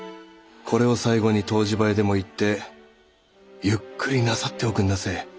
これを最後に湯治場へでも行ってゆっくりなさっておくんなせえ。